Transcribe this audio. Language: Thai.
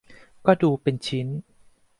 ก็ดูเป็นชิ้น